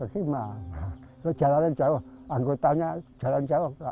kalau jalan jauh anggotanya jalan jauh gak kuat